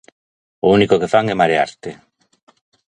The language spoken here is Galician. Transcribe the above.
O único que fan é marearte.